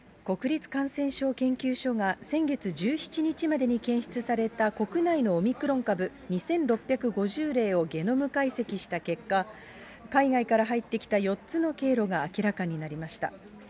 国立感染症研究所が先月１７日までに検出された国内のオミクロン株２６５０例をゲノム解析した結果、海外から入ってきた４つの経路が明らかになりました。